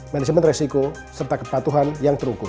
manajemen resiko serta kepatuhan yang terukur